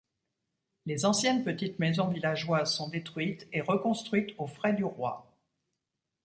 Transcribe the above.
Les anciennes petites maisons villageoises sont détruites et reconstruites aux frais du roi.